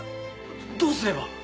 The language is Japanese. どうすれば？